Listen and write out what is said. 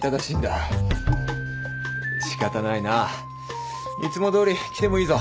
仕方ないないつもどおり来てもいいぞ。